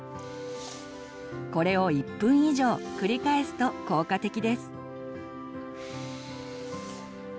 これを１分以上繰り返すと効果的です。